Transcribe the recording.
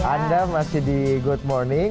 anda masih di good morning